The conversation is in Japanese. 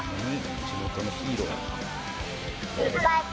「地元のヒーローや」